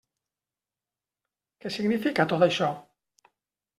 Què significa tot això?